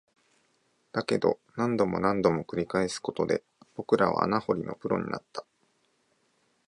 だけど、何度も何度も繰り返すことで、僕らは穴掘りのプロになった